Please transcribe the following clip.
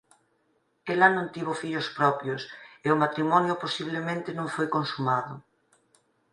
Ela non tivo fillos propios e o matrimonio posiblemente non foi consumado.